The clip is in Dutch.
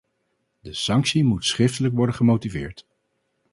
De sanctie moet schriftelijk worden gemotiveerd.